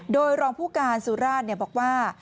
โดยรองผู้การสุราชบอกว่า